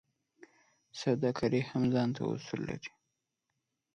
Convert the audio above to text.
سوداګري هم ځانته اصول لري.